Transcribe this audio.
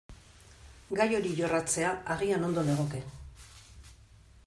Gai hori jorratzea agian ondo legoke.